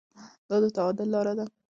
دا د تعادل لاره ده.